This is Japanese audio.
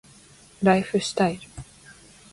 ライフスタイル